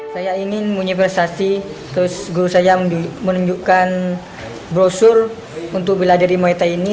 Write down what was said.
saya ingin punya prestasi terus guru saya menunjukkan brosur untuk bela diri muay thai ini